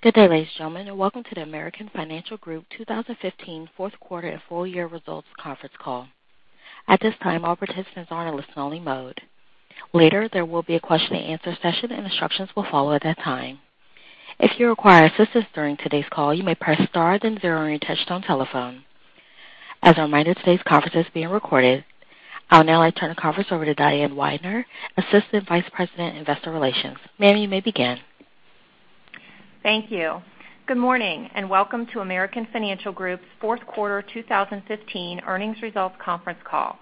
Good day, ladies and gentlemen, welcome to the American Financial Group 2015 fourth quarter and full year results conference call. At this time, all participants are in a listen-only mode. Later, there will be a question and answer session, and instructions will follow at that time. If you require assistance during today's call, you may press star then zero on your touchtone telephone. As a reminder, today's conference is being recorded. I would now like to turn the conference over to Diane Weidner, Assistant Vice President, Investor Relations. Ma'am, you may begin. Thank you. Good morning, welcome to American Financial Group's fourth quarter 2015 earnings results conference call.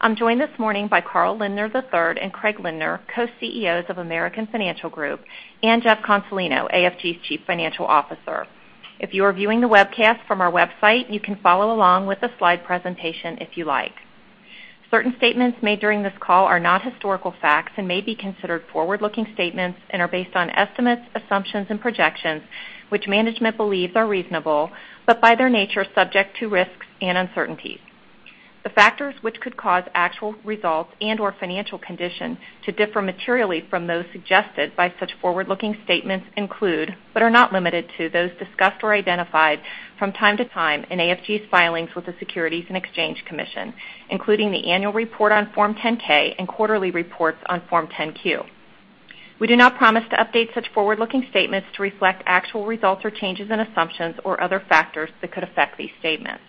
I'm joined this morning by Carl Lindner III and Craig Lindner, Co-CEOs of American Financial Group, Jeff Consolino, AFG's Chief Financial Officer. If you are viewing the webcast from our website, you can follow along with the slide presentation if you like. Certain statements made during this call are not historical facts and may be considered forward-looking statements and are based on estimates, assumptions, and projections, which management believes are reasonable, but by their nature, subject to risks and uncertainties. The factors which could cause actual results and/or financial conditions to differ materially from those suggested by such forward-looking statements include, but are not limited to, those discussed or identified from time to time in AFG's filings with the Securities and Exchange Commission, including the annual report on Form 10-K and quarterly reports on Form 10-Q. We do not promise to update such forward-looking statements to reflect actual results or changes in assumptions or other factors that could affect these statements.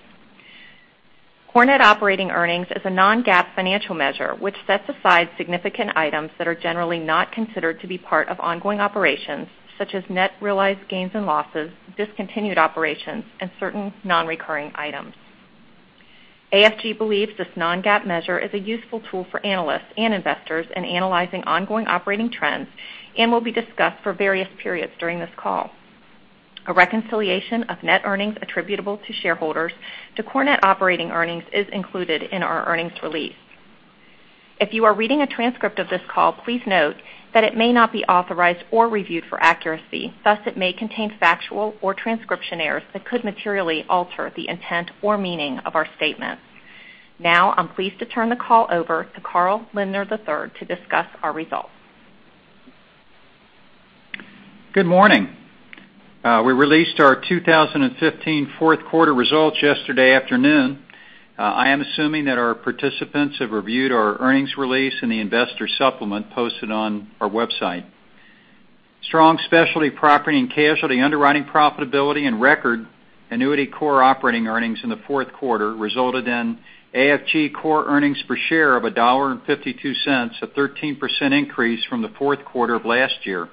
Core net operating earnings is a non-GAAP financial measure, which sets aside significant items that are generally not considered to be part of ongoing operations, such as net realized gains and losses, discontinued operations, and certain non-recurring items. AFG believes this non-GAAP measure is a useful tool for analysts and investors in analyzing ongoing operating trends and will be discussed for various periods during this call. A reconciliation of net earnings attributable to shareholders to core net operating earnings is included in our earnings release. If you are reading a transcript of this call, please note that it may not be authorized or reviewed for accuracy. Thus, it may contain factual or transcription errors that could materially alter the intent or meaning of our statements. I'm pleased to turn the call over to Carl Lindner III to discuss our results. Good morning. We released our 2015 fourth quarter results yesterday afternoon. I am assuming that our participants have reviewed our earnings release and the Investor Supplement posted on our website. Strong Specialty Property and Casualty underwriting profitability and record annuity core operating earnings in the fourth quarter resulted in AFG core earnings per share of $1.52, a 13% increase from the fourth quarter of last year.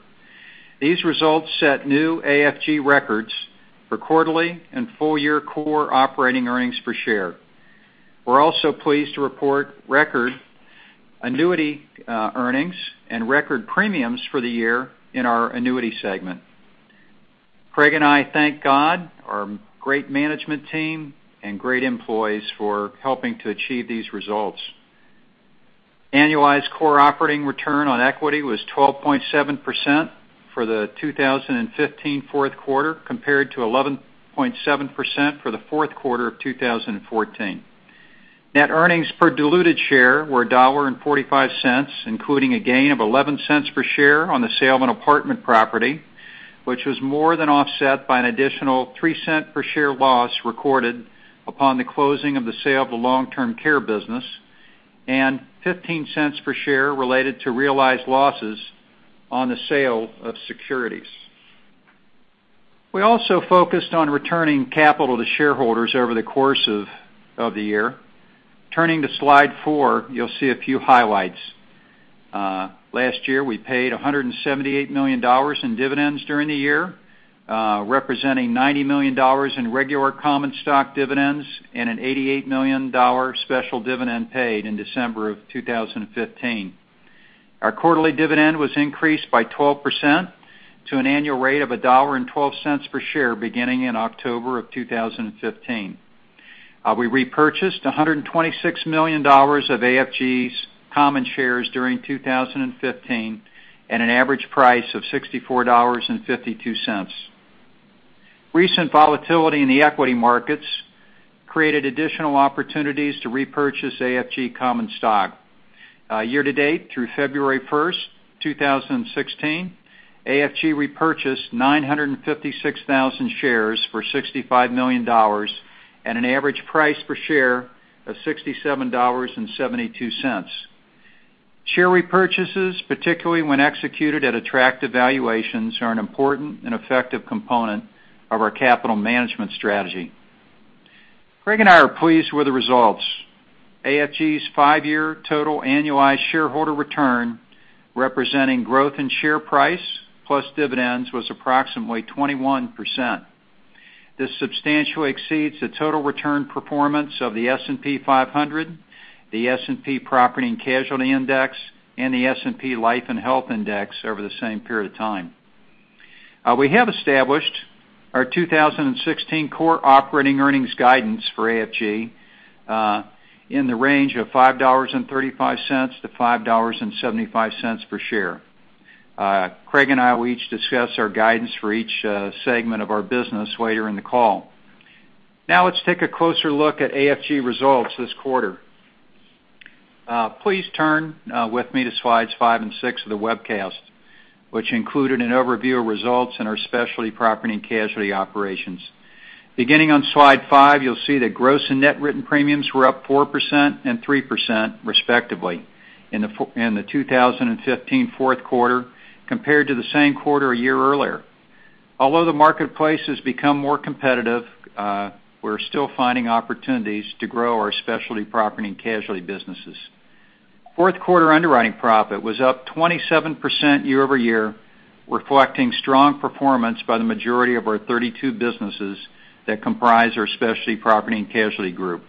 These results set new AFG records for quarterly and full-year core operating earnings per share. We are also pleased to report record annuity earnings and record premiums for the year in our annuity segment. Craig and I thank God, our great management team, and great employees for helping to achieve these results. Annualized core operating return on equity was 12.7% for the 2015 fourth quarter, compared to 11.7% for the fourth quarter of 2014. Net earnings per diluted share were $1.45, including a gain of $0.11 per share on the sale of an apartment property, which was more than offset by an additional $0.03 per share loss recorded upon the closing of the sale of the long-term care business, and $0.15 per share related to realized losses on the sale of securities. We also focused on returning capital to shareholders over the course of the year. Turning to slide four, you will see a few highlights. Last year, we paid $178 million in dividends during the year, representing $90 million in regular common stock dividends and an $88 million special dividend paid in December of 2015. Our quarterly dividend was increased by 12% to an annual rate of $1.12 per share beginning in October of 2015. We repurchased $126 million of AFG's common shares during 2015 at an average price of $64.52. Recent volatility in the equity markets created additional opportunities to repurchase AFG common stock. Year to date, through February 1st, 2016, AFG repurchased 956,000 shares for $65 million at an average price per share of $67.72. Share repurchases, particularly when executed at attractive valuations, are an important and effective component of our capital management strategy. Craig and I are pleased with the results. AFG's five-year total annualized shareholder return, representing growth in share price plus dividends, was approximately 21%. This substantially exceeds the total return performance of the S&P 500, the S&P Property and Casualty Index, and the S&P Life and Health Index over the same period of time. We have established our 2016 core operating earnings guidance for AFG in the range of $5.35-$5.75 per share. Craig and I will each discuss our guidance for each segment of our business later in the call. Let us take a closer look at AFG results this quarter. Please turn with me to slides five and six of the webcast, which included an overview of results in our Specialty Property and Casualty operations. Beginning on slide five, you will see that gross and net written premiums were up 4% and 3% respectively in the 2015 fourth quarter compared to the same quarter a year earlier. Although the marketplace has become more competitive, we are still finding opportunities to grow our Specialty Property and Casualty businesses. Fourth quarter underwriting profit was up 27% year-over-year, reflecting strong performance by the majority of our 32 businesses that comprise our Specialty Property and Casualty Group.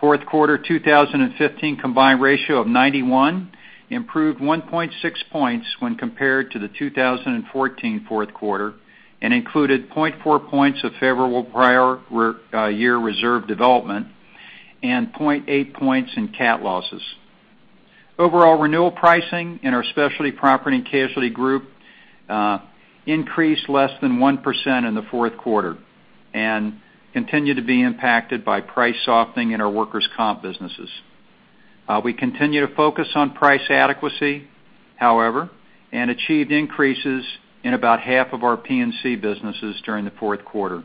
Fourth quarter 2015 combined ratio of 91% improved 1.6 points when compared to the 2014 fourth quarter, and included 0.4 points of favorable prior year reserve development and 0.8 points in cat losses. Overall renewal pricing in our Specialty Property and Casualty Group increased less than 1% in the fourth quarter and continued to be impacted by price softening in our workers' comp businesses. We continue to focus on price adequacy, however, and achieved increases in about half of our P&C businesses during the fourth quarter.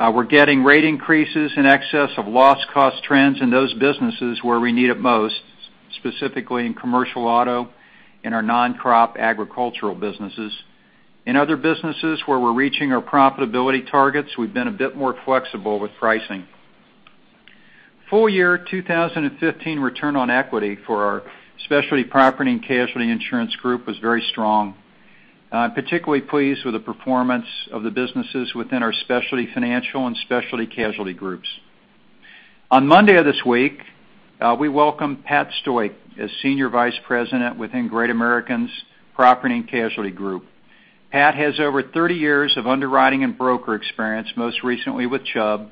We're getting rate increases in excess of loss cost trends in those businesses where we need it most, specifically in commercial auto and our non-crop agricultural businesses. In other businesses where we're reaching our profitability targets, we've been a bit more flexible with pricing. Full year 2015 return on equity for our Specialty Property and Casualty Insurance Group was very strong. I'm particularly pleased with the performance of the businesses within our Specialty Financial Group and Specialty Casualty Group. On Monday of this week, we welcomed Pat Stoik as Senior Vice President within Great American's Property and Casualty Group. Pat has over 30 years of underwriting and broker experience, most recently with Chubb,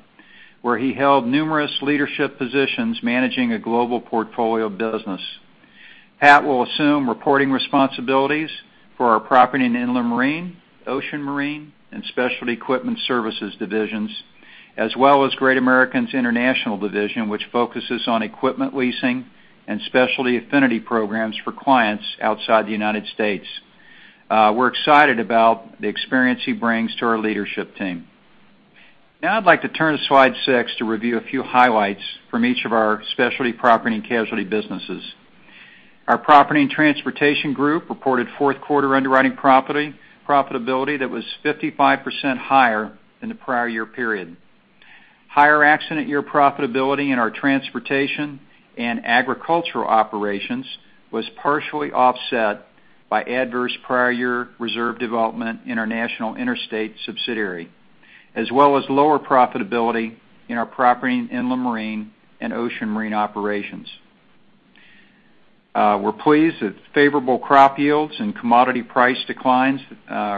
where he held numerous leadership positions managing a global portfolio business. Pat will assume reporting responsibilities for our Property and Inland Marine, Ocean Marine, and Specialty Equipment Services divisions, as well as Great American's International Division, which focuses on equipment leasing and specialty affinity programs for clients outside the U.S. We're excited about the experience he brings to our leadership team. Now I'd like to turn to slide six to review a few highlights from each of our Specialty Property and Casualty businesses. Our Property and Transportation Group reported fourth quarter underwriting profitability that was 55% higher than the prior year period. Higher accident year profitability in our transportation and agricultural operations was partially offset by adverse prior year reserve development in our National Interstate subsidiary, as well as lower profitability in our Property and Inland Marine and Ocean Marine operations. We're pleased that favorable crop yields and commodity price declines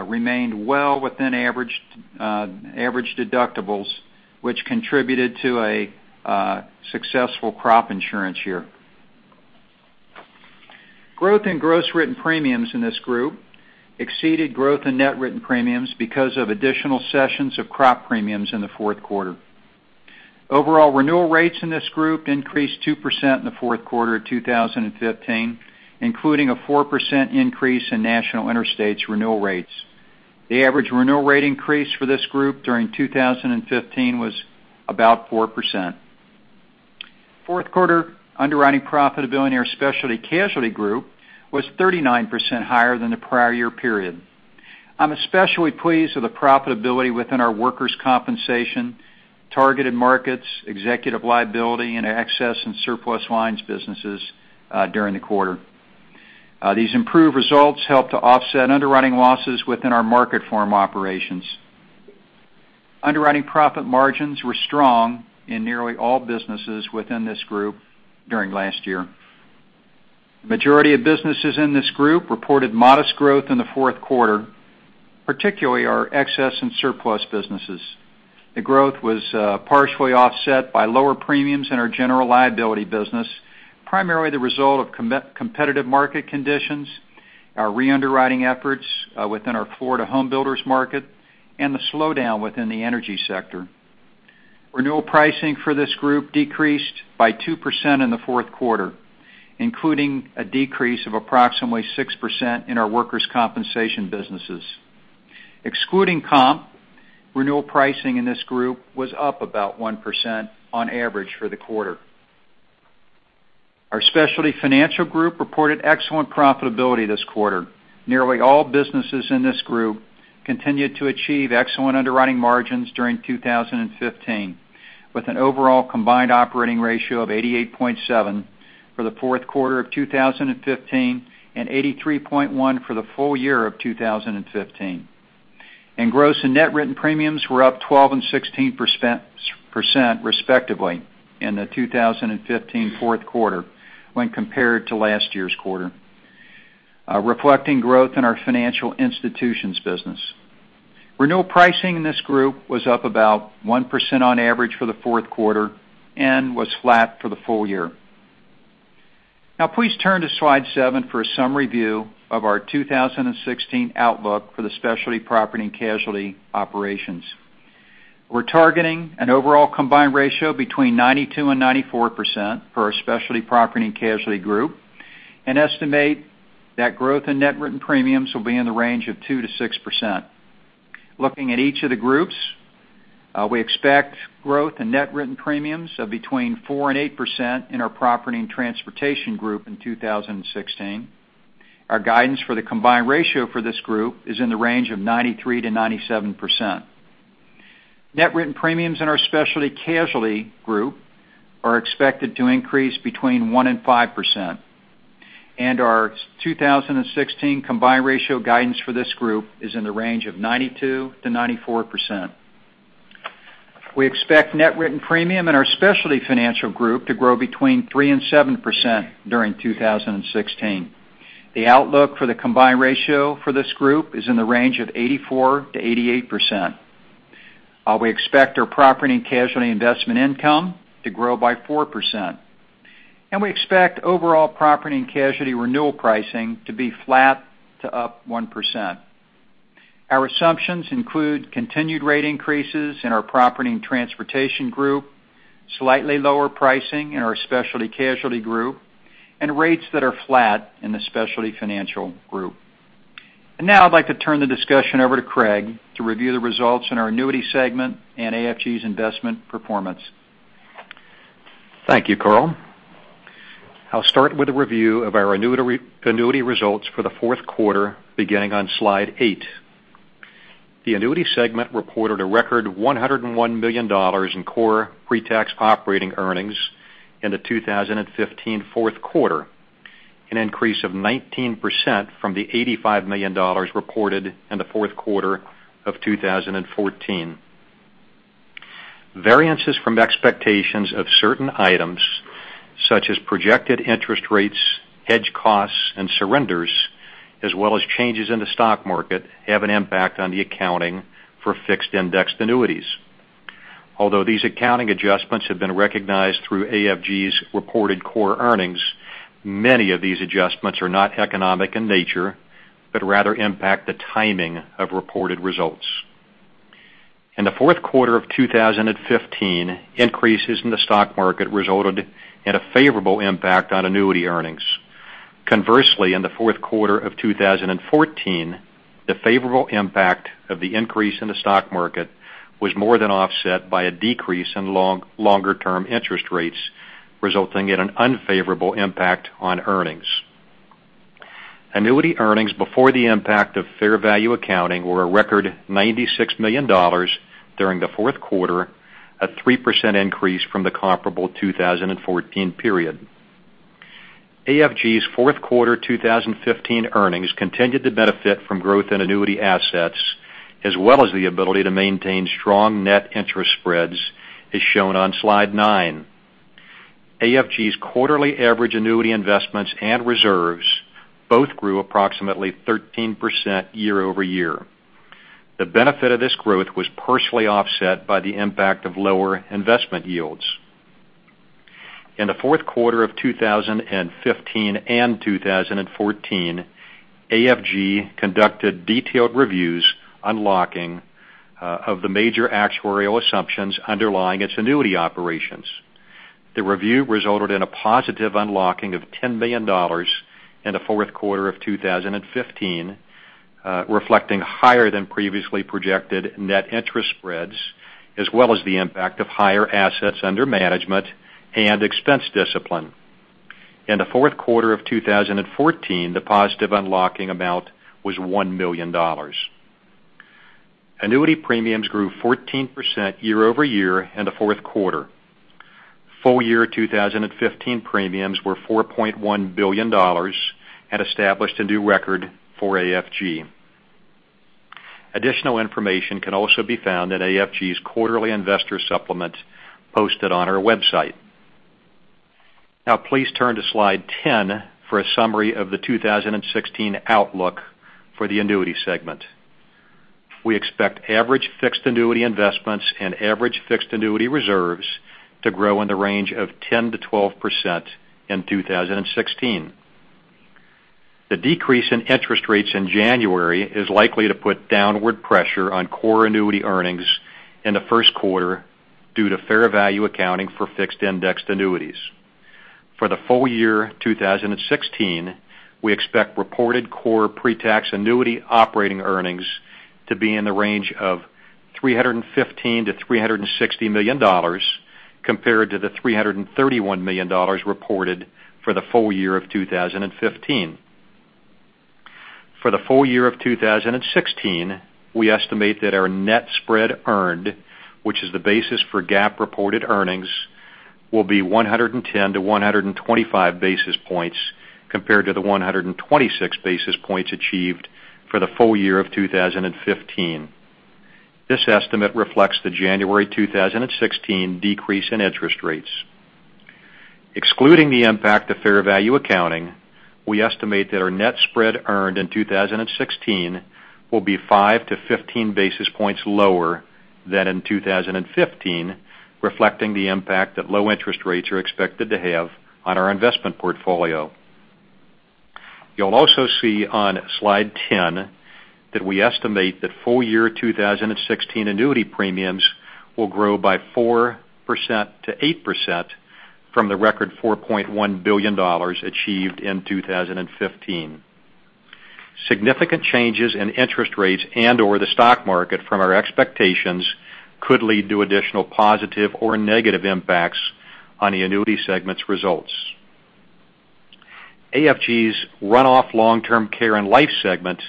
remained well within average deductibles, which contributed to a successful crop insurance year. Growth in gross written premiums in this group exceeded growth in net written premiums because of additional sessions of crop premiums in the fourth quarter. Overall renewal rates in this group increased 2% in the fourth quarter of 2015, including a 4% increase in National Interstate's renewal rates. The average renewal rate increase for this group during 2015 was about 4%. Fourth quarter underwriting profitability in our Specialty Casualty Group was 39% higher than the prior year period. I'm especially pleased with the profitability within our workers' compensation, targeted markets, executive liability, and excess and surplus lines businesses during the quarter. These improved results helped to offset underwriting losses within our Marketform operations. Underwriting profit margins were strong in nearly all businesses within this group during last year. The majority of businesses in this group reported modest growth in the fourth quarter, particularly our excess and surplus businesses. The growth was partially offset by lower premiums in our general liability business, primarily the result of competitive market conditions, our re-underwriting efforts within our Florida home builders market, and the slowdown within the energy sector. Renewal pricing for this group decreased by 2% in the fourth quarter, including a decrease of approximately 6% in our workers' compensation businesses. Excluding comp, renewal pricing in this group was up about 1% on average for the quarter. Our Specialty Financial Group reported excellent profitability this quarter. Nearly all businesses in this group continued to achieve excellent underwriting margins during 2015, with an overall combined operating ratio of 88.7 for the fourth quarter of 2015 and 83.1 for the full year of 2015. Gross and net written premiums were up 12% and 16% respectively in the 2015 fourth quarter when compared to last year's quarter, reflecting growth in our financial institutions business. Renewal pricing in this group was up about 1% on average for the fourth quarter and was flat for the full year. Please turn to slide seven for a summary view of our 2016 outlook for the Specialty Property and Casualty operations. We're targeting an overall combined ratio between 92% and 94% for our Specialty Property and Casualty Group, and estimate that growth in net written premiums will be in the range of 2%-6%. Looking at each of the groups, we expect growth in net written premiums of between 4% and 8% in our Property and Transportation Group in 2016. Our guidance for the combined ratio for this group is in the range of 93%-97%. Net written premiums in our Specialty Casualty Group are expected to increase between 1% and 5%. Our 2016 combined ratio guidance for this group is in the range of 92%-94%. We expect net written premium in our Specialty Financial Group to grow between 3% and 7% during 2016. The outlook for the combined ratio for this group is in the range of 84%-88%. We expect our property and casualty investment income to grow by 4%. We expect overall property and casualty renewal pricing to be flat to up 1%. Our assumptions include continued rate increases in our Property and Transportation Group, slightly lower pricing in our Specialty Casualty Group, and rates that are flat in the Specialty Financial Group. Now I'd like to turn the discussion over to Craig to review the results in our Annuity segment and AFG's investment performance. Thank you, Carl. I'll start with a review of our annuity results for the fourth quarter beginning on slide eight. The Annuity segment reported a record $101 million in core pre-tax operating earnings in the 2015 fourth quarter, an increase of 19% from the $85 million reported in the fourth quarter of 2014. Variances from expectations of certain items, such as projected interest rates, hedge costs, and surrenders, as well as changes in the stock market, have an impact on the accounting for fixed-indexed annuities. Although these accounting adjustments have been recognized through AFG's reported core earnings, many of these adjustments are not economic in nature, but rather impact the timing of reported results. In the fourth quarter of 2015, increases in the stock market resulted in a favorable impact on annuity earnings. Conversely, in the fourth quarter of 2014, the favorable impact of the increase in the stock market was more than offset by a decrease in longer term interest rates, resulting in an unfavorable impact on earnings. Annuity earnings before the impact of fair value accounting were a record $96 million during the fourth quarter, a 3% increase from the comparable 2014 period. AFG's fourth quarter 2015 earnings continued to benefit from growth in annuity assets, as well as the ability to maintain strong net interest spreads, as shown on slide nine. AFG's quarterly average annuity investments and reserves both grew approximately 13% year-over-year. The benefit of this growth was partially offset by the impact of lower investment yields. In the fourth quarter of 2015 and 2014, AFG conducted detailed reviews unlocking of the major actuarial assumptions underlying its annuity operations. The review resulted in a positive unlocking of $10 million in the fourth quarter of 2015, reflecting higher than previously projected net interest spreads, as well as the impact of higher assets under management and expense discipline. In the fourth quarter of 2014, the positive unlocking amount was $1 million. Annuity premiums grew 14% year-over-year in the fourth quarter. Full year 2015 premiums were $4.1 billion and established a new record for AFG. Additional information can also be found in AFG's Quarterly Investor Supplement posted on our website. Please turn to slide 10 for a summary of the 2016 outlook for the Annuity Segment. We expect average fixed annuity investments and average fixed annuity reserves to grow in the range of 10%-12% in 2016. The decrease in interest rates in January is likely to put downward pressure on core annuity earnings in the first quarter due to fair value accounting for fixed-indexed annuities. For the full year 2016, we expect reported core pre-tax annuity operating earnings to be in the range of $315 million-$360 million compared to the $331 million reported for the full year of 2015. For the full year of 2016, we estimate that our net spread earned, which is the basis for GAAP reported earnings, will be 110-125 basis points compared to the 126 basis points achieved for the full year of 2015. This estimate reflects the January 2016 decrease in interest rates. Excluding the impact of fair value accounting, we estimate that our net spread earned in 2016 will be 5-15 basis points lower than in 2015, reflecting the impact that low interest rates are expected to have on our investment portfolio. You'll also see on slide 10 that we estimate that full year 2016 annuity premiums will grow by 4%-8% from the record $4.1 billion achieved in 2015. Significant changes in interest rates and/or the stock market from our expectations could lead to additional positive or negative impacts on the Annuity Segment's results. AFG's run-off Long-Term Care and Life Segment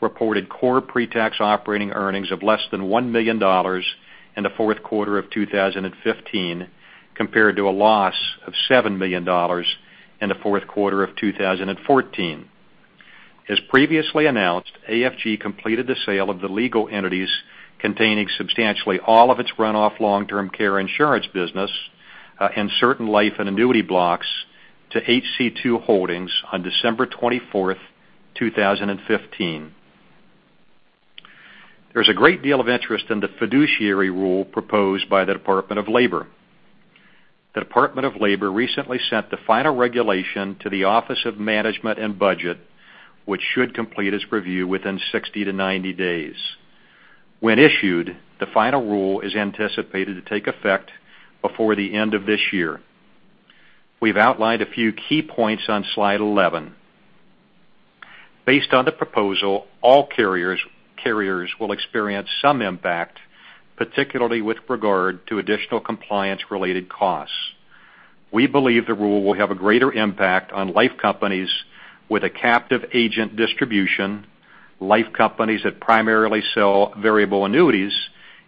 reported core pre-tax operating earnings of less than $1 million in the fourth quarter of 2015 compared to a loss of $7 million in the fourth quarter of 2014. As previously announced, AFG completed the sale of the legal entities containing substantially all of its run-off long-term care insurance business and certain life and annuity blocks to HC2 Holdings on December 24, 2015. There's a great deal of interest in the fiduciary rule proposed by the Department of Labor. The Department of Labor recently sent the final regulation to the Office of Management and Budget, which should complete its review within 60-90 days. When issued, the final rule is anticipated to take effect before the end of this year. We've outlined a few key points on slide 11. Based on the proposal, all carriers will experience some impact, particularly with regard to additional compliance related costs. We believe the rule will have a greater impact on life companies with a captive agent distribution, life companies that primarily sell variable annuities,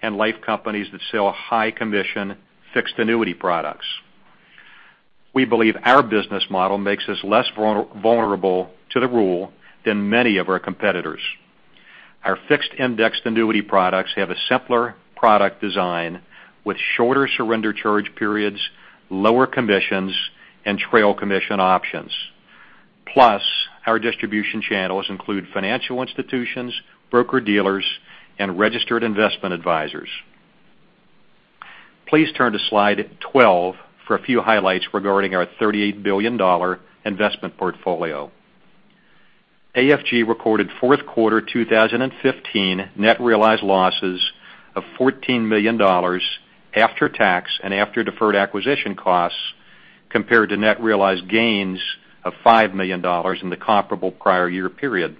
and life companies that sell high commission fixed annuity products. We believe our business model makes us less vulnerable to the rule than many of our competitors. Our fixed indexed annuity products have a simpler product design with shorter surrender charge periods, lower commissions, and trail commission options. Our distribution channels include financial institutions, broker-dealers, and registered investment advisors. Please turn to slide 12 for a few highlights regarding our $38 billion investment portfolio. AFG recorded fourth quarter 2015 net realized losses of $14 million after tax and after deferred acquisition costs, compared to net realized gains of $5 million in the comparable prior year period.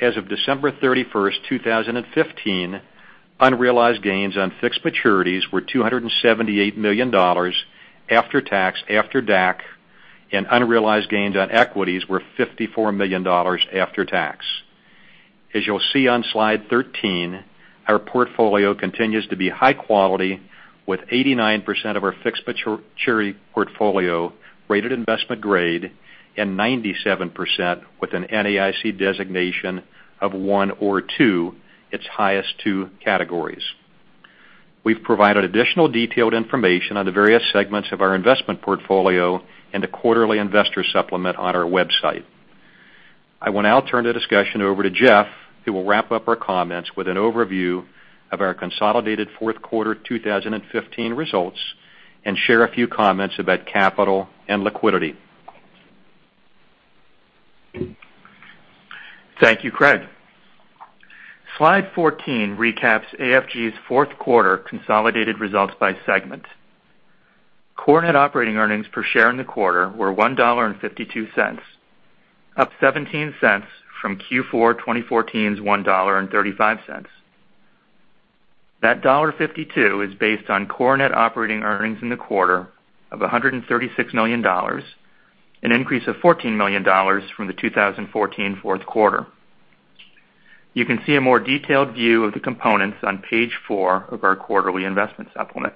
As of December 31, 2015, unrealized gains on fixed maturities were $278 million after tax, after DAC, and unrealized gains on equities were $54 million after tax. As you'll see on slide 13, our portfolio continues to be high quality with 89% of our fixed maturity portfolio rated investment grade and 97% with an NAIC designation of 1 or 2, its highest two categories. We've provided additional detailed information on the various segments of our investment portfolio in the Quarterly Investor Supplement on our website. I will now turn the discussion over to Jeff, who will wrap up our comments with an overview of our consolidated fourth quarter 2015 results and share a few comments about capital and liquidity. Thank you, Craig. Slide 14 recaps AFG's fourth quarter consolidated results by segment. Core net operating earnings per share in the quarter were $1.52, up $0.17 from Q4 2014's $1.35. That $1.52 is based on core net operating earnings in the quarter of $136 million, an increase of $14 million from the 2014 fourth quarter. You can see a more detailed view of the components on page four of our Quarterly Investor Supplement.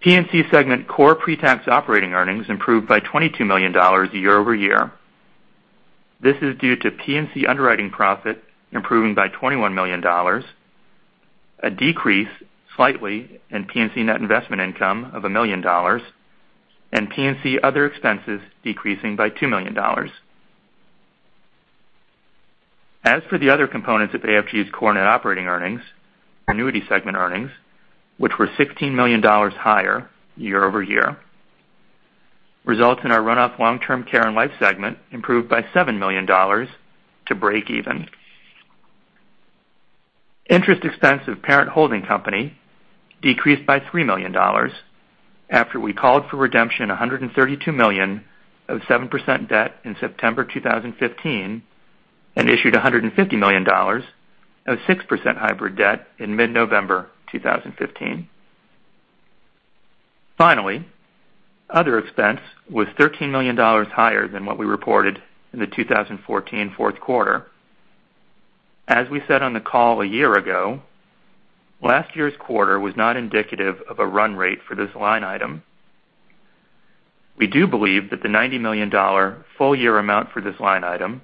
P&C segment core pre-tax operating earnings improved by $22 million year-over-year. This is due to P&C underwriting profit improving by $21 million, a decrease slightly in P&C net investment income of $1 million, and P&C other expenses decreasing by $2 million. As for the other components of AFG's core net operating earnings, annuity segment earnings, which were $16 million higher year-over-year, results in our run-off long-term care and life segment improved by $7 million to break even. Interest expense of parent holding company decreased by $3 million after we called for redemption $132 million of 7% debt in September 2015 and issued $150 million of 6% hybrid debt in mid-November 2015. Other expense was $13 million higher than what we reported in the 2014 fourth quarter. As we said on the call a year ago, last year's quarter was not indicative of a run rate for this line item. We do believe that the $90 million full year amount for this line item,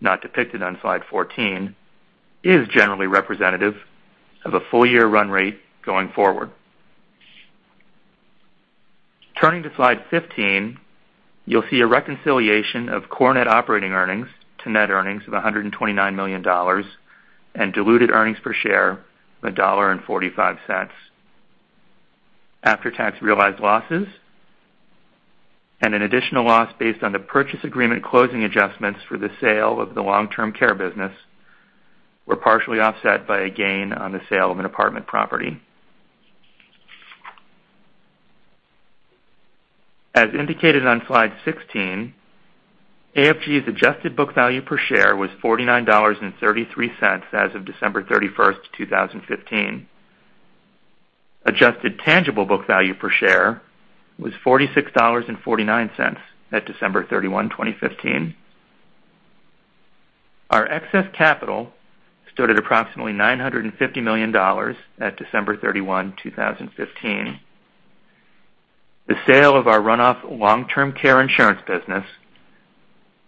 not depicted on slide 14, is generally representative of a full year run rate going forward. Turning to slide 15, you'll see a reconciliation of core net operating earnings to net earnings of $129 million and diluted earnings per share of $1.45. After-tax realized losses and an additional loss based on the purchase agreement closing adjustments for the sale of the long-term care business were partially offset by a gain on the sale of an apartment property. As indicated on slide 16, AFG's adjusted book value per share was $49.33 as of December 31, 2015. Adjusted tangible book value per share was $46.49 at December 31, 2015. Our excess capital stood at approximately $950 million at December 31, 2015. The sale of our runoff long-term care insurance business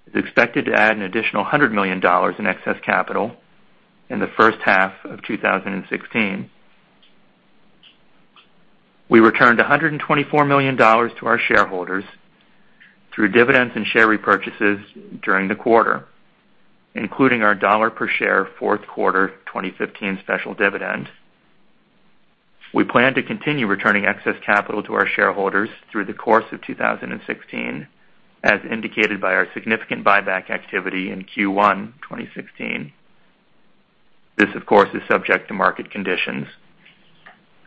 is expected to add an additional $100 million in excess capital in the first half of 2016. We returned $124 million to our shareholders through dividends and share repurchases during the quarter, including our $1 per share fourth quarter 2015 special dividend. We plan to continue returning excess capital to our shareholders through the course of 2016, as indicated by our significant buyback activity in Q1 2016. This, of course, is subject to market conditions.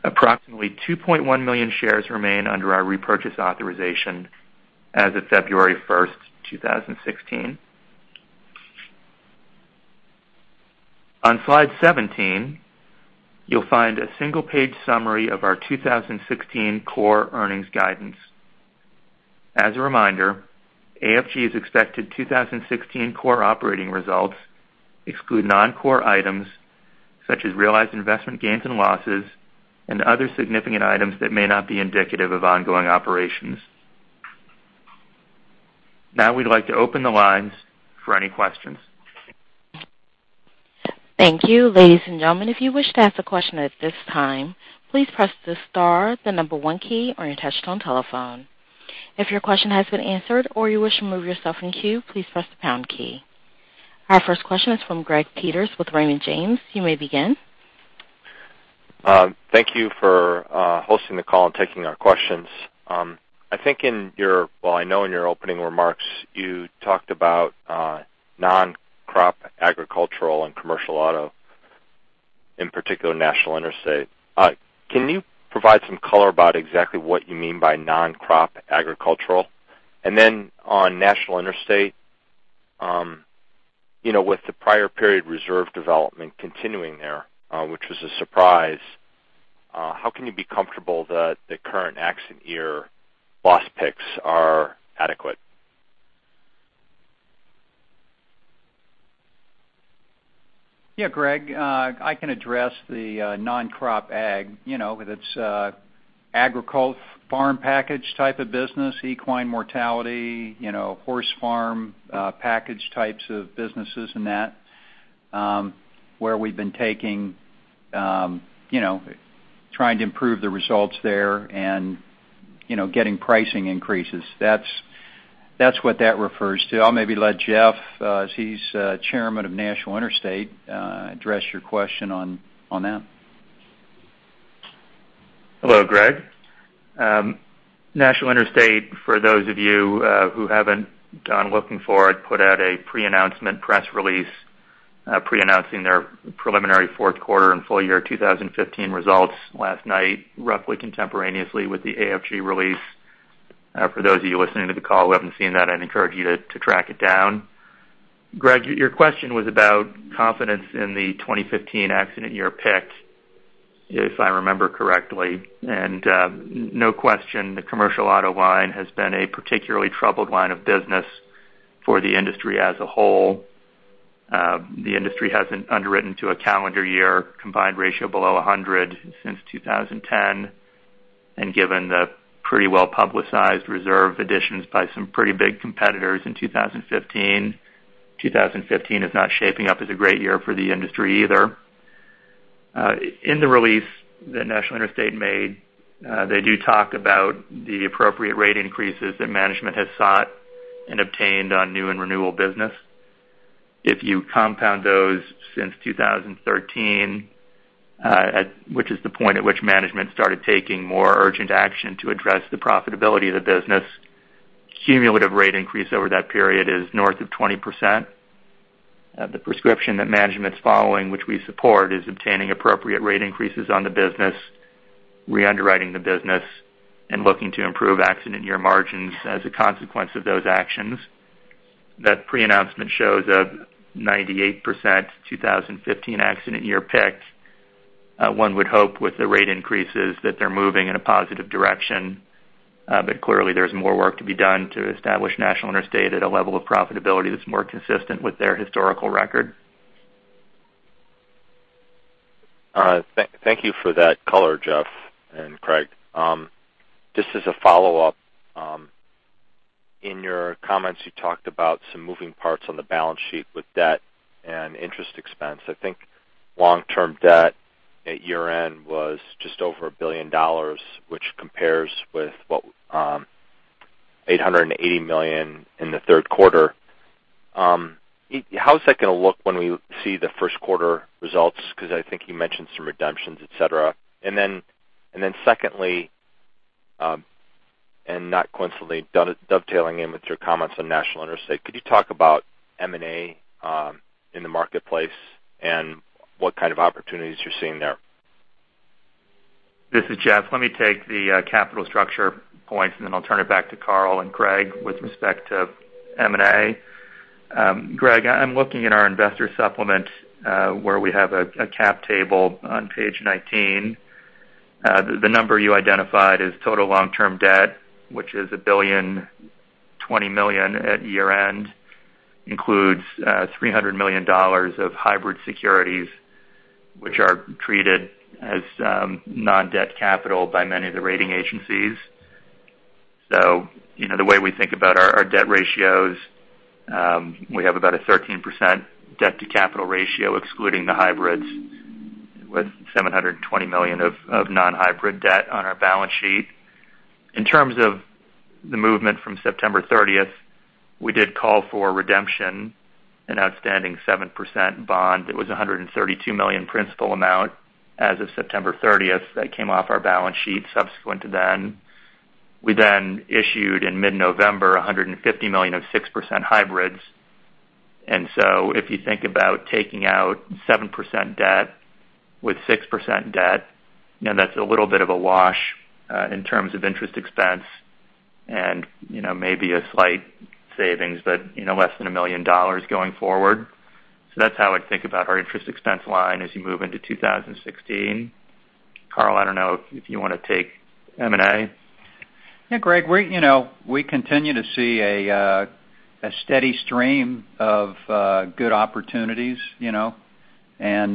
Approximately 2.1 million shares remain under our repurchase authorization as of February 1, 2016. On slide 17, you'll find a single-page summary of our 2016 core earnings guidance. As a reminder, AFG's expected 2016 core operating results exclude non-core items such as realized investment gains and losses and other significant items that may not be indicative of ongoing operations. We'd like to open the lines for any questions. Thank you. Ladies and gentlemen, if you wish to ask a question at this time, please press the star 1 key on your touchtone telephone. If your question has been answered or you wish to remove yourself from the queue, please press the pound key. Our first question is from Gregory Peters with Raymond James. You may begin. Thank you for hosting the call and taking our questions. I think in your, well, I know in your opening remarks, you talked about non-crop agricultural and commercial auto, in particular, National Interstate. Can you provide some color about exactly what you mean by non-crop agricultural? Then on National Interstate, with the prior period reserve development continuing there, which was a surprise, how can you be comfortable that the current accident year loss picks are adequate? Yeah, Greg, I can address the non-crop ag. It's agricultural farm package type of business, equine mortality, horse farm package types of businesses and that, where we've been trying to improve the results there and getting pricing increases. That's what that refers to. I'll maybe let Jeff, as he's chairman of National Interstate, address your question on that. Hello, Greg. National Interstate, for those of you who haven't gone looking for it, put out a pre-announcement press release pre-announcing their preliminary fourth quarter and full year 2015 results last night, roughly contemporaneously with the AFG release. For those of you listening to the call who haven't seen that, I'd encourage you to track it down. Greg, your question was about confidence in the 2015 accident year pick, if I remember correctly. No question, the commercial auto line has been a particularly troubled line of business for the industry as a whole. The industry hasn't underwritten to a calendar year combined ratio below 100 since 2010. Given the pretty well-publicized reserve additions by some pretty big competitors in 2015 is not shaping up as a great year for the industry either. In the release that National Interstate made, they do talk about the appropriate rate increases that management has sought and obtained on new and renewal business. If you compound those since 2013, which is the point at which management started taking more urgent action to address the profitability of the business, cumulative rate increase over that period is north of 20%. The prescription that management's following, which we support, is obtaining appropriate rate increases on the business, re-underwriting the business, and looking to improve accident year margins as a consequence of those actions. That pre-announcement shows a 98% 2015 accident year pick. One would hope with the rate increases that they're moving in a positive direction. Clearly, there's more work to be done to establish National Interstate at a level of profitability that's more consistent with their historical record. Thank you for that color, Jeff and Craig. Just as a follow-up, in your comments, you talked about some moving parts on the balance sheet with debt and interest expense. I think long-term debt at year-end was just over $1 billion, which compares with what $880 million in the third quarter. How is that going to look when we see the first quarter results? Because I think you mentioned some redemptions, et cetera. Secondly, and not coincidentally, dovetailing in with your comments on National Interstate, could you talk about M&A in the marketplace and what kind of opportunities you're seeing there? This is Jeff. Let me take the capital structure points. I'll turn it back to Carl and Greg with respect to M&A. Greg, I'm looking at our Investor Supplement, where we have a cap table on page 19. The number you identified is total long-term debt, which is $1.02 billion at year-end, includes $300 million of hybrid securities, which are treated as non-debt capital by many of the rating agencies. The way we think about our debt ratios, we have about a 13% debt-to-capital ratio, excluding the hybrids, with $720 million of non-hybrid debt on our balance sheet. In terms of the movement from September 30th, we did call for redemption, an outstanding 7% bond that was $132 million principal amount as of September 30th. That came off our balance sheet subsequent to then. We issued in mid-November $150 million of 6% hybrids. If you think about taking out 7% debt with 6% debt, that's a little bit of a wash in terms of interest expense and maybe a slight savings, but less than $1 million going forward. That's how I'd think about our interest expense line as you move into 2016. Carl, I don't know if you want to take M&A. Greg, we continue to see a steady stream of good opportunities. That's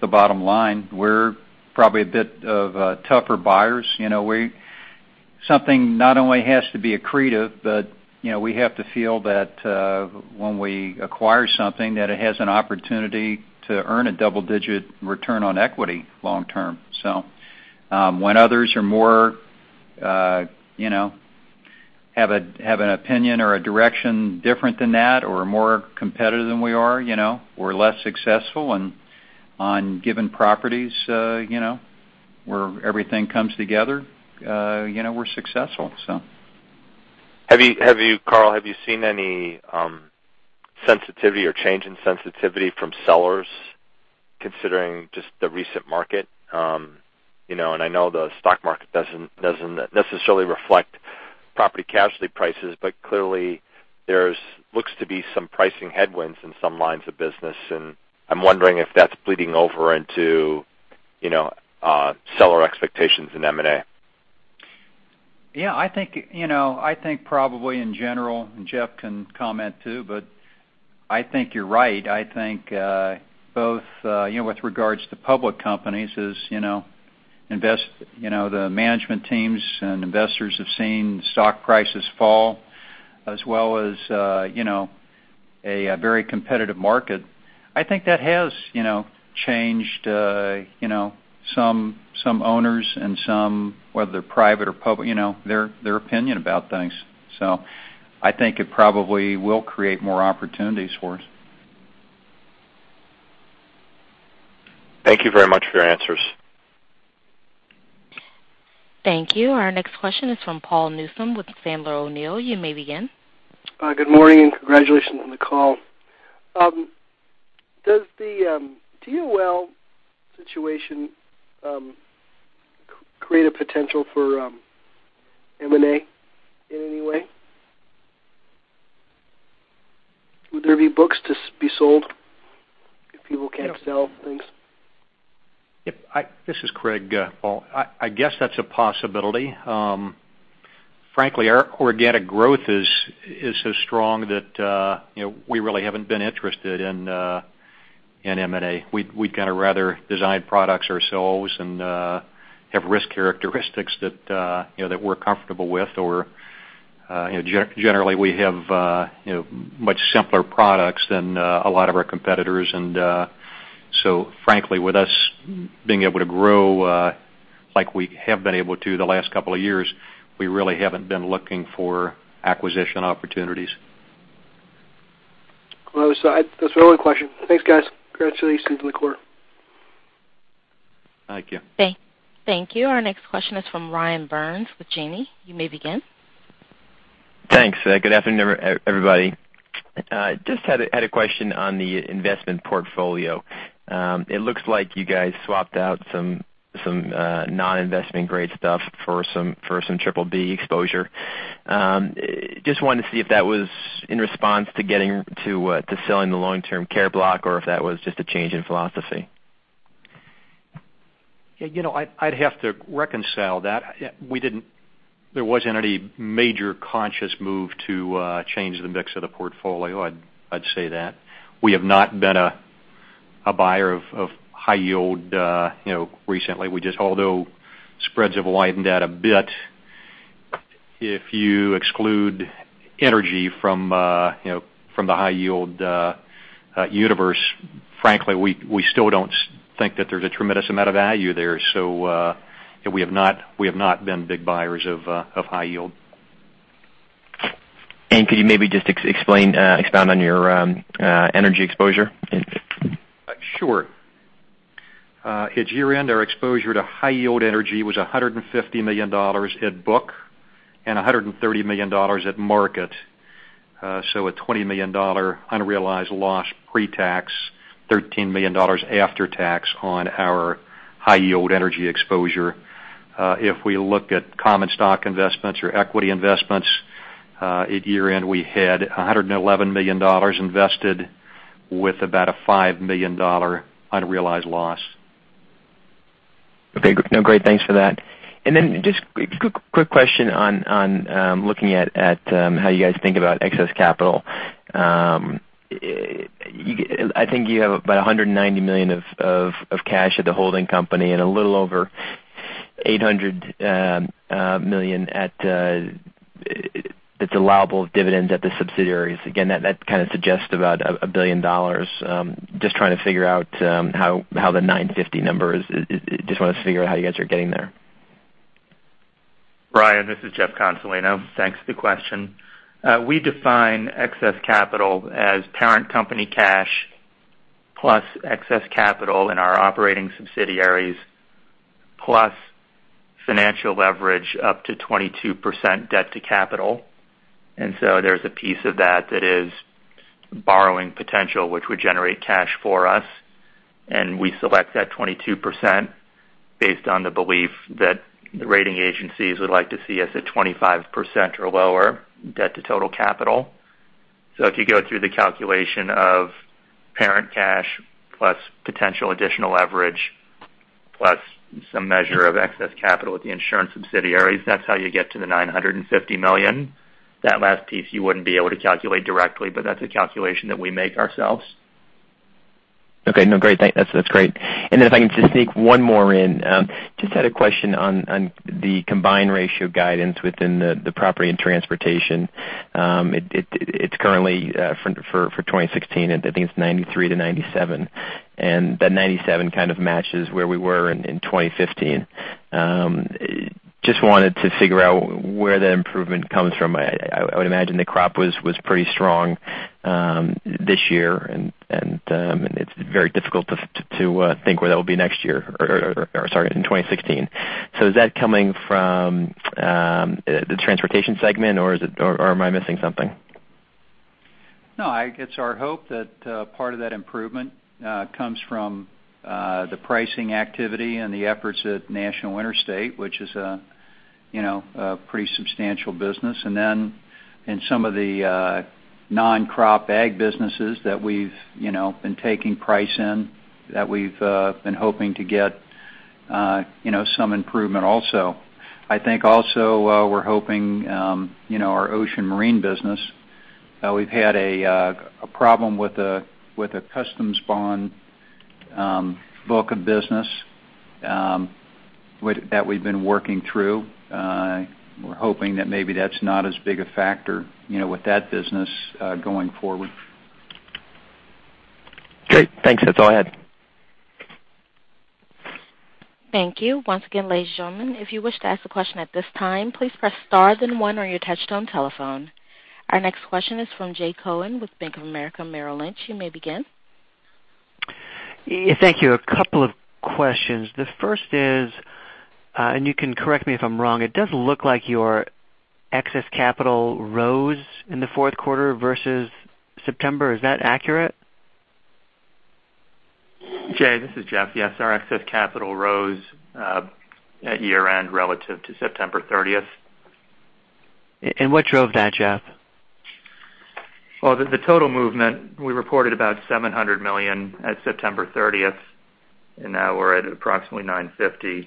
the bottom line. We're probably a bit of tougher buyers. Something not only has to be accretive, but we have to feel that when we acquire something, that it has an opportunity to earn a double-digit return on equity long term. When others have an opinion or a direction different than that or are more competitive than we are, we're less successful and on given properties where everything comes together, we're successful. Carl, have you seen any sensitivity or change in sensitivity from sellers considering just the recent market? I know the stock market doesn't necessarily reflect property casualty prices, but clearly there looks to be some pricing headwinds in some lines of business, and I'm wondering if that's bleeding over into seller expectations in M&A. Yeah, I think probably in general, Jeff can comment, too, but I think you're right. I think both with regards to public companies is the management teams and investors have seen stock prices fall as well as a very competitive market. I think that has changed some owners and some, whether they're private or public, their opinion about things. I think it probably will create more opportunities for us. Thank you very much for your answers. Thank you. Our next question is from Paul Newsome with Sandler O'Neill. You may begin. Good morning, congratulations on the call. Does the DOL situation create a potential for M&A in any way? Would there be books to be sold if people can't sell things? This is Craig, Paul. I guess that's a possibility. Frankly, our organic growth is so strong that we really haven't been interested in M&A. We'd kind of rather design products ourselves and have risk characteristics that we're comfortable with, or generally we have much simpler products than a lot of our competitors. Frankly, with us being able to grow like we have been able to the last couple of years, we really haven't been looking for acquisition opportunities. That's my only question. Thanks, guys. Congratulations on the quarter. Thank you. Thank you. Our next question is from Ryan Burns with Janney. You may begin. Thanks. Good afternoon, everybody. Just had a question on the investment portfolio. It looks like you guys swapped out some non-investment grade stuff for some triple B exposure. Just wanted to see if that was in response to getting to selling the long-term care block, or if that was just a change in philosophy. I'd have to reconcile that. There wasn't any major conscious move to change the mix of the portfolio, I'd say that. We have not been a buyer of high yield recently. Spreads have widened out a bit If you exclude energy from the high yield universe, frankly, we still don't think that there's a tremendous amount of value there. We have not been big buyers of high yield. Could you maybe just expound on your energy exposure? Sure. At year-end, our exposure to high yield energy was $150 million at book and $130 million at market. A $20 million unrealized loss pre-tax, $13 million after tax on our high yield energy exposure. If we look at common stock investments or equity investments, at year-end, we had $111 million invested with about a $5 million unrealized loss. Okay. No, great, thanks for that. Just quick question on looking at how you guys think about excess capital. I think you have about $190 million of cash at the holding company and a little over $800 million that's allowable of dividends at the subsidiaries. Again, that kind of suggests about a billion dollars. Just want to figure out how you guys are getting there. Ryan, this is Jeff Consolino. Thanks for the question. We define excess capital as parent company cash plus excess capital in our operating subsidiaries, plus financial leverage up to 22% debt to capital. There's a piece of that is borrowing potential, which would generate cash for us. We select that 22% based on the belief that the rating agencies would like to see us at 25% or lower debt to total capital. If you go through the calculation of parent cash plus potential additional leverage, plus some measure of excess capital at the insurance subsidiaries, that's how you get to the $950 million. That last piece you wouldn't be able to calculate directly, but that's a calculation that we make ourselves. Okay. No, great. That's great. If I can just sneak one more in. Just had a question on the combined ratio guidance within the Property and Transportation. It's currently for 2016, I think it's 93%-97%, and that 97% kind of matches where we were in 2015. Just wanted to figure out where the improvement comes from. I would imagine the crop was pretty strong this year and it's very difficult to think where that will be next year or, sorry, in 2016. Is that coming from the transportation segment or am I missing something? No, it's our hope that part of that improvement comes from the pricing activity and the efforts at National Interstate, which is a pretty substantial business. In some of the non-crop ag businesses that we've been taking price in, that we've been hoping to get some improvement also. I think also we're hoping our Ocean Marine business. We've had a problem with a customs bond book of business that we've been working through. We're hoping that maybe that's not as big a factor with that business going forward. Great. Thanks. That's all I had. Thank you. Once again, ladies and gentlemen, if you wish to ask a question at this time, please press star then one on your touchtone telephone. Our next question is from Jay Cohen with Bank of America Merrill Lynch. You may begin. Thank you. A couple of questions. The first is, you can correct me if I'm wrong, it does look like your excess capital rose in the fourth quarter versus September. Is that accurate? Jay, this is Jeff. Yes, our excess capital rose at year-end relative to September 30th. What drove that, Jeff? The total movement, we reported about $700 million at September 30th, and now we're at approximately $950 million.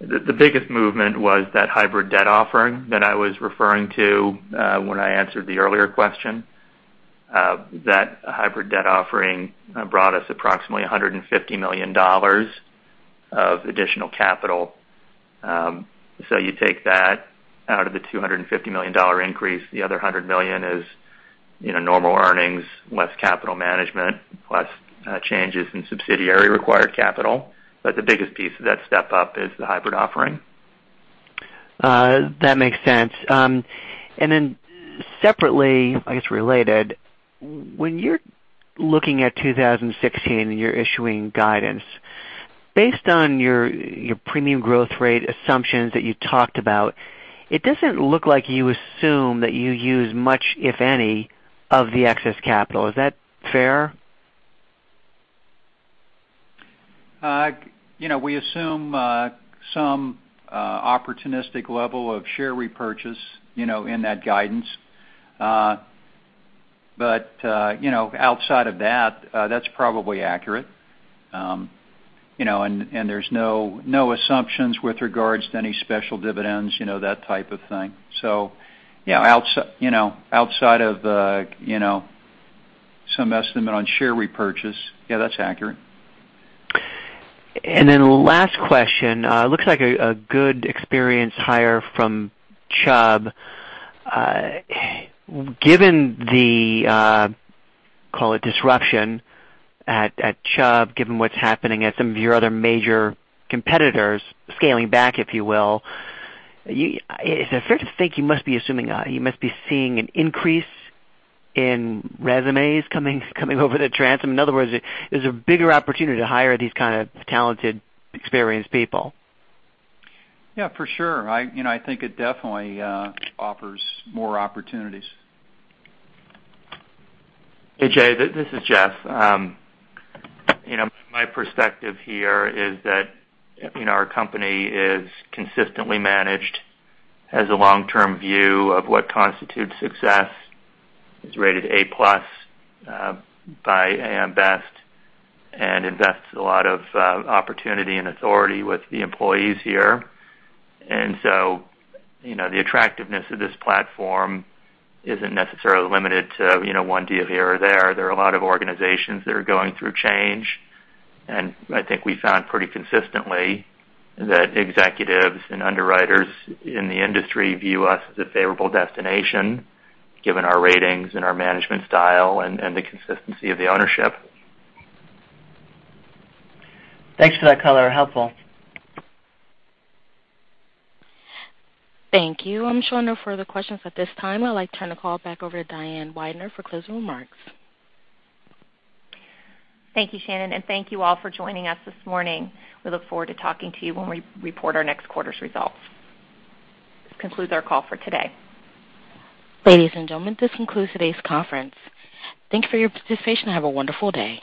The biggest movement was that hybrid debt offering that I was referring to when I answered the earlier question. That hybrid debt offering brought us approximately $150 million of additional capital. You take that out of the $250 million increase. The other $100 million is normal earnings, less capital management, plus changes in subsidiary required capital. The biggest piece of that step-up is the hybrid offering. That makes sense. Separately, I guess related, when you're looking at 2016 and you're issuing guidance, based on your premium growth rate assumptions that you talked about, it doesn't look like you assume that you use much, if any, of the excess capital. Is that fair? We assume some opportunistic level of share repurchase in that guidance. Outside of that's probably accurate. There's no assumptions with regards to any special dividends, that type of thing. Outside of some estimate on share repurchase, yeah, that's accurate. Last question. Looks like a good experienced hire from Chubb. Given the, call it disruption at Chubb, given what's happening at some of your other major competitors scaling back, if you will, is it fair to think you must be seeing an increase in resumes coming over the transom? In other words, is there a bigger opportunity to hire these kind of talented, experienced people? Yeah, for sure. I think it definitely offers more opportunities. Hey, Jay, this is Jeff. My perspective here is that our company is consistently managed, has a long-term view of what constitutes success, is rated A+ by AM Best, and invests a lot of opportunity and authority with the employees here. The attractiveness of this platform isn't necessarily limited to one deal here or there. There are a lot of organizations that are going through change, and I think we found pretty consistently that executives and underwriters in the industry view us as a favorable destination, given our ratings and our management style and the consistency of the ownership. Thanks for that color. Helpful. Thank you. I'm showing no further questions at this time. I'd like to turn the call back over to Diane Weidner for closing remarks. Thank you, Shannon, and thank you all for joining us this morning. We look forward to talking to you when we report our next quarter's results. This concludes our call for today. Ladies and gentlemen, this concludes today's conference. Thank you for your participation and have a wonderful day.